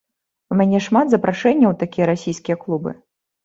У мяне шмат запрашэнняў у такія расійскія клубы.